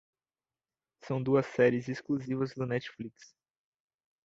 São duas séries exclusivas do Netflix